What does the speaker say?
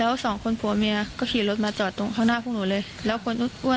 แล้ว๒คนผักเมียก็ขี่รถมาจอกตรงข้างหน้าคุณอู๋เลยแล้วส่วน